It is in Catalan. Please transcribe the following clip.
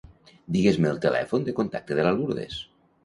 Digues-me el telèfon de contacte de la Lourdes.